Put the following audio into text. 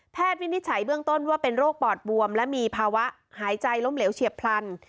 วินิจฉัยเบื้องต้นว่าเป็นโรคปอดบวมและมีภาวะหายใจล้มเหลวเฉียบพลัน